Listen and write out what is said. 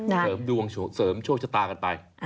เสริมดวงเสริมโชคชะตากันไป